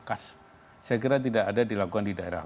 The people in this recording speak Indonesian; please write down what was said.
kas saya kira tidak ada dilakukan di daerah